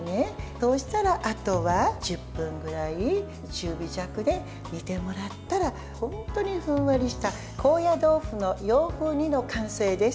そしたら、あとは１０分ぐらい中火弱で煮てもらったら本当にふんわりした高野豆腐の洋風煮の完成です。